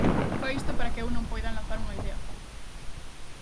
Fai isto para que eu non poida enlazar unha idea.